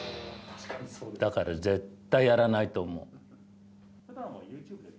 だから絶対やらないと思う。